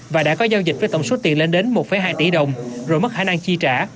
và đã có giao dịch với tổng số tiền lên đến một hai tỷ đồng rồi mất khả năng chi trả